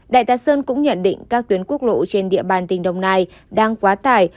đại tá sơn cũng nhận định các tuyến quốc lộ trên địa bàn tỉnh đồng nai đang quá tải